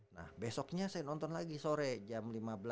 nah besoknya saya nonton lagi sore jam lima belas